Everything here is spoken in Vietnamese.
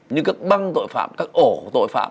như các băng tội phạm các ổ tội phạm